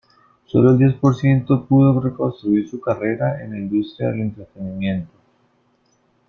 Solo el diez por ciento pudo reconstruir su carrera en la industria del entretenimiento.